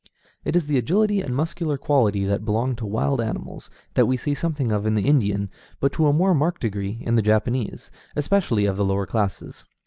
It is the agility and muscular quality that belong to wild animals, that we see something of in the Indian, but to a more marked degree in the Japanese, especially of the lower classes.